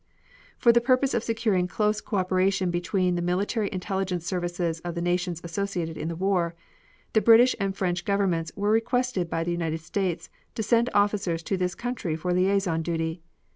For the purpose of securing close co operation between the military intelligence services of the nations associated in the war, the British and French Governments were requested by the United States to send officers to this country for liaison duty.